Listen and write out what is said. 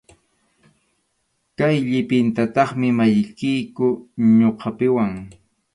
Kay llipintataqmi maqlliyku ñuqapuwan.